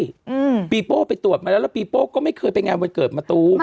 ปีโบ่นะปีโบ่ไปตรวจไปแล้วแล้วปีโบ่ก็ไม่เคยไปงานบริเวณเกิดเมตู